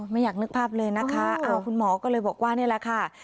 ไม่อยากนึกภาพเลยนะคะคุณหมอก็เลยบอกว่านี่แหละค่ะ